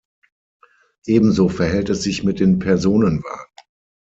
Ebenso verhält es sich mit den Personenwagen.